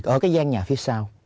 ở cái gian nhà phía sau